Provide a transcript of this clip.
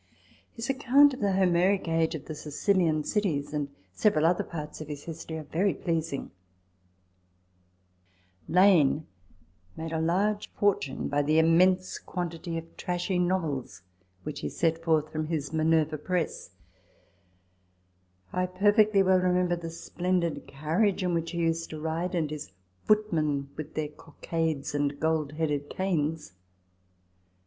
His account of the Homeric age of the Sicilian cities and several other parts of his History, are very pleasing. * Compare Cumberland's " Memoirs," i. 264, ii. 204. io8 RECOLLECTIONS OF THE Lane made a large fortune by the immense quantity of trashy novels which he sent forth from his Minerva Press. I perfectly well remember the splendid carriage in which he used to ride, and his footmen with their cockades and gold headed canes.